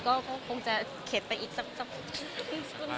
ก็คงจะเข็ดไปอีกสักนานสักพักนึงเลย